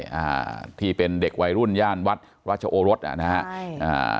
ใช่ที่เป็นเด็กวัยรุ่นย่านวัดราชโอรสนะครับ